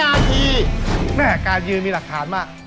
ต่างกันยืนมีหลักฐานมา